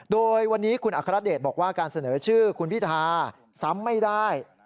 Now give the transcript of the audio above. โดยวันนี้คุณอัครเดชบอกว่าการเสนอชื่อคุณพิธาซ้ำไม่ได้